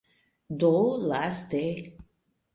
Do laste